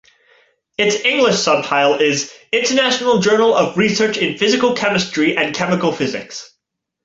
Its English subtitle is "International Journal of Research in Physical Chemistry and Chemical Physics".